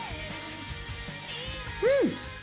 うん。